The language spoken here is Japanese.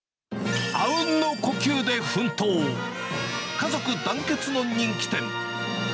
家族団結の人気店。